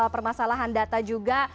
permasalahan data juga